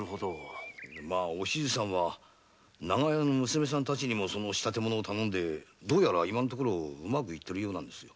お静さんは長屋の娘さんたちにもその仕立物を頼んで今のところはうまくいっているようです。